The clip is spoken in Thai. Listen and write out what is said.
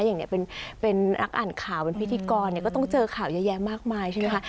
อย่างนี้เป็นนักอ่านข่าวเป็นพิธีกรก็ต้องเจอข่าวเยอะแยะมากมายใช่ไหมคะ